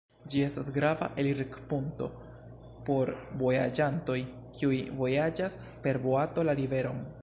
Ĝi estas grava elirpunkto por vojaĝantoj, kiuj vojaĝas per boato la riveron.